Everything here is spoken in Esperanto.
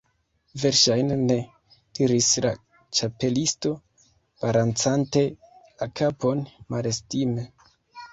"Verŝajne ne," diris la Ĉapelisto, balancante la kapon malestime.